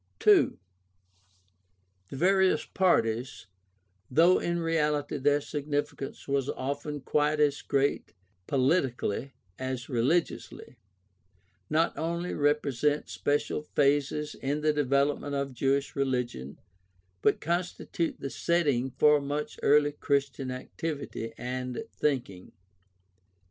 252 GUIDE TO STUDY OF CHRISTIAN RELIGION 2. The various parties, though in reality their significance was often quite as great poHtically as religiously, not only represent special phases in the development of Jewish religion but constitute the setting for much early Christian activity and thinking.